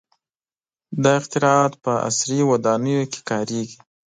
• دا اختراعات په عصري ودانیو کې کارېږي.